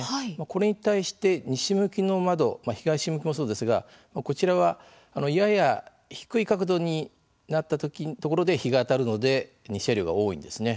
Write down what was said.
これ対して、西向きの窓東向きもそうですがこちらは、やや低い角度になったところで日が当たるので日射量が多いんですね。